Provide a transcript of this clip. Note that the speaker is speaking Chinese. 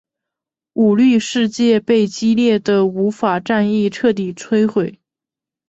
舞律世界被激烈的舞法战役彻底摧毁。